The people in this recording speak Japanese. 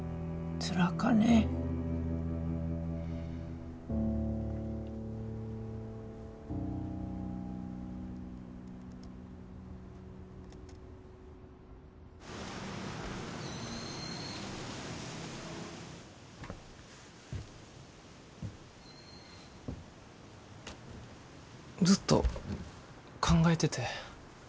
ずっと考えてて。